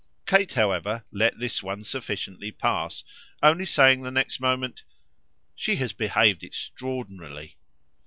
Kate, however, let this one sufficiently pass, only saying the next moment: "She has behaved extraordinarily."